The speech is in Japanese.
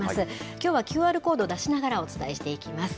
きょうはＱＲコードを出しながら、お伝えしていきます。